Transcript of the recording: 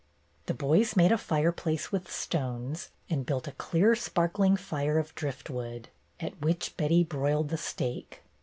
The boys made a fireplace with stones, and built a clear, sparkling fire of driftwood, at which Betty broiled the steak.